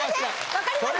分かります？